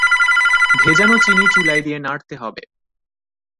ভেজানো চিনি চুলায় দিয়ে নাড়তে হবে।